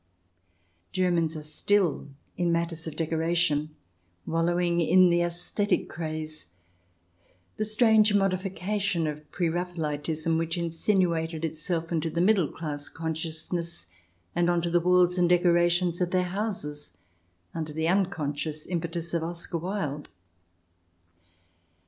Germans are still, in matters of decoration, wallowing in the "aesthetic" craze — the strange modification of pre Raphaelitism which insinuated itself into the middle class consciousness and on to the walls and decorations of their houses under the unconscious impetus of Oscar Wilde.